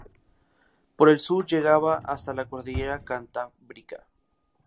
Por el sur llegaba hasta la cordillera Cantábrica.